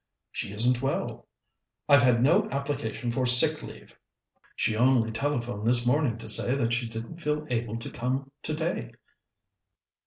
"She isn't well." "I've had no application for sick leave." "She only telephoned this morning to say that she didn't feel able to come today."